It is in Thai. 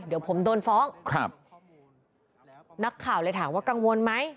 เดี๋ยวผมโดนฟ้องครับนักข่าวเลยถามว่ากังวลไหม